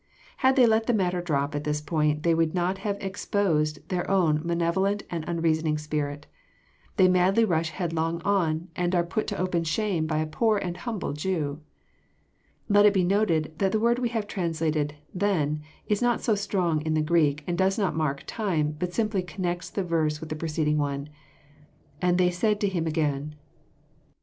Had they let the matter drop at this point, they would not have exposed their own malevolent and unreasoning spirit. They madly rush headlong on, and are put to open shame by a poor and humble Jew. Let it be noted, that the word we have translated " then is not so strong in the Greek, and does not mark time, but simply connects the verse with the preceding one. '' And they said to him again."